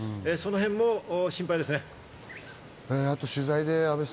その辺も心配ですね。